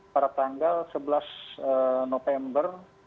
pada tanggal sebelas november